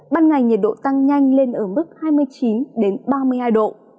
ban ngày nhiệt độ tăng nhanh lên ở mức hai mươi năm hai mươi tám độ